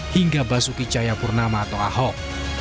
hingga basuki caya purnama atau ahok